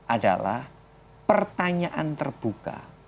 adalah pertanyaan terbuka